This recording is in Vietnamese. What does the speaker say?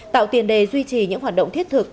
tạo tiền đề duy trì những hoạt động thiết thực